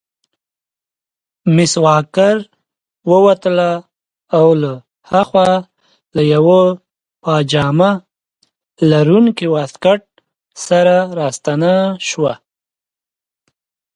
مس واکر ووتله او له هاخوا له یوه پاجامه لرونکي واسکټ سره راستنه شوه.